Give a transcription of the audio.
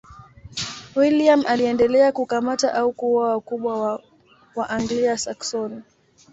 William aliendelea kukamata au kuua wakubwa wa Waanglia-Saksoni.